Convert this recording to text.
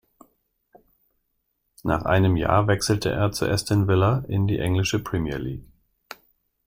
Nach einem Jahr wechselte er zu Aston Villa in die englische Premier League.